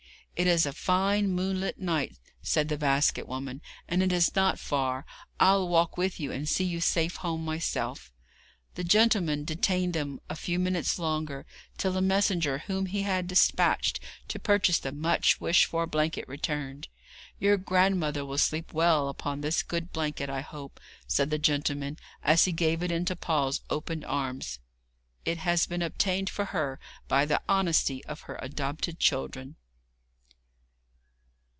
'It is a fine moonlight night,' said the basket woman, 'and is not far. I'll walk with you, and see you safe home myself.' The gentleman detained them a few minutes longer, till a messenger whom he had despatched to purchase the much wished for blanket returned. 'Your grandmother will sleep well upon this good blanket, I hope,' said the gentleman, as he gave it into Paul's opened arms. 'It has been obtained for her by the honesty of her adopted children.'